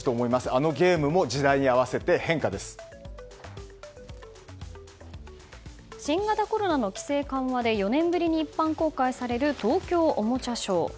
あのゲームも時代に合わせて新型コロナの規制緩和で４年ぶりに一般公開される東京おもちゃショー。